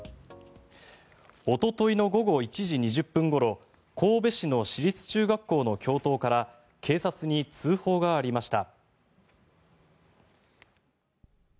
おとといの午後１時２０分ごろ神戸市の市立中学校の教頭から警察に通報がありました。